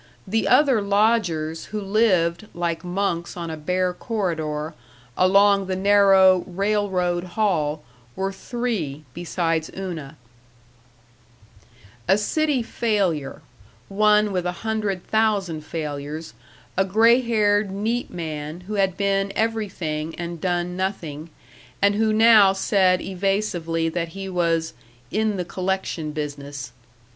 The other lodgers, who lived, like monks on a bare corridor, along the narrow "railroad" hall, were three besides Una: A city failure, one with a hundred thousand failures, a gray haired, neat man, who had been everything and done nothing, and who now said evasively that he was "in the collection business."